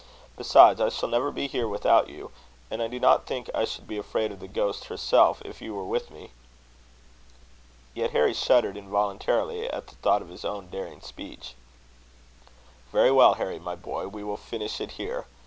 Besides, I shall never be here without you; and I do not think I should be afraid of the ghost herself, if you were with me." Yet Harry shuddered involuntarily at the thought of his own daring speech. "Very well, Harry, my boy; we will finish it here.